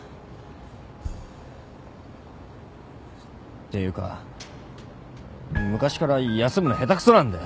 っていうか昔から休むの下手くそなんだよ。